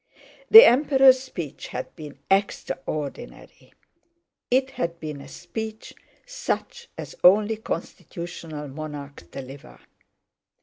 The Emperor's speech had been extraordinary. It had been a speech such as only constitutional monarchs deliver.